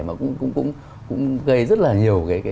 mà cũng gây rất là nhiều